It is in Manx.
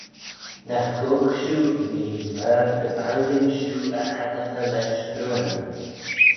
Nagh goghe shiu mee myr dy baillym shiu y agglaghey lesh screeunyn.